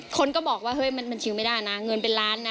คนก็บอกว่าเฮ้ยมันชิวไม่ได้นะเงินเป็นล้านนะ